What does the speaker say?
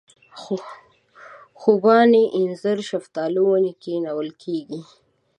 خوبانۍ اینځر شفتالو ونې کښېنول کېږي.